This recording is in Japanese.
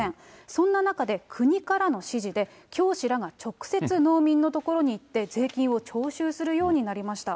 そんな中で国からの指示で、教師らが直接農民のところに行って税金を徴収するようになりました。